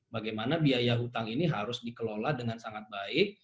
bagaimana biaya utang ini harus dikelola dengan sangat baik